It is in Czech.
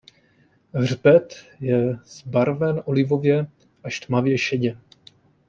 Hřbet je zbarven olivově až tmavě šedě.